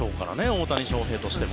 大谷翔平としても。